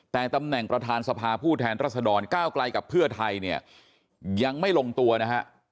แต่ตำแหน่งประธานสภาผู้แทนรัศดรก้าวไกลกับเพื่อไทยเนี่ยยังไม่ลงตัวนะฮะ